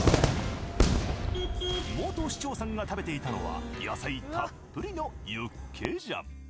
元市長さんが食べていたのは野菜たっぷりのユッケジャン。